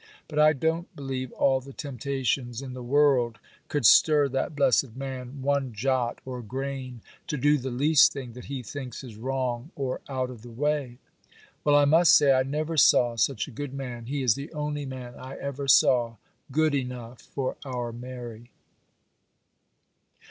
But I don't believe all the temptations in the world could stir that blessed man one jot or grain to do the least thing that he thinks is wrong or out of the way. Well, I must say, I never saw such a good man; he is the only man I ever saw good enough for our Mary.